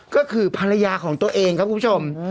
ก็คือภรรยาของตัวเองครับคุณผู้ชม